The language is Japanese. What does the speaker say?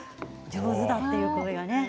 上手だという声がね。